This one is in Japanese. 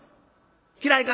嫌いか？